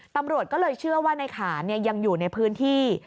ตำรวจก็เลยเชื่อว่าในขานยังอยู่ในพื้นที่